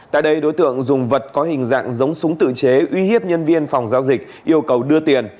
tại đây đối tượng dùng vật có hình dạng giống súng tự chế uy hiếp nhân viên phòng giao dịch yêu cầu đưa tiền